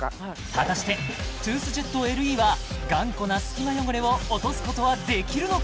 果たしてトゥースジェットＬＥは頑固な隙間汚れを落とすことはできるのか？